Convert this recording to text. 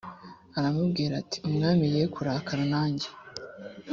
aramubwira ati umwami ye kurakara nanjye